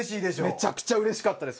めちゃくちゃうれしかったです